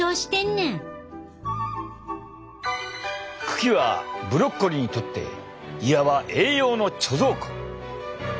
茎はブロッコリーにとっていわば栄養の貯蔵庫。